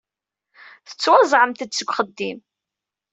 Tettwaẓẓɛemt-d seg uxeddim.